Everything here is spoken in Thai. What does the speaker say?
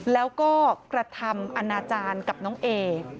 แล้วก็กระทำอนาจารย์กับน้องเอ